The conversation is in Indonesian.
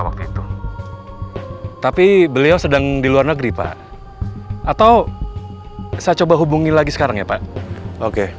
waktu itu tapi beliau sedang di luar negeri pak atau saya coba hubungi lagi sekarang ya pak oke